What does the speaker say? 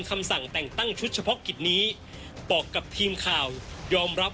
คำสั่งแต่งตั้งชุดเฉพาะกิจนี้บอกกับทีมข่าวยอมรับ